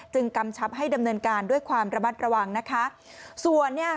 กำชับให้ดำเนินการด้วยความระมัดระวังนะคะส่วนเนี่ย